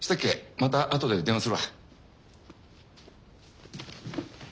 またあとで電話するわ。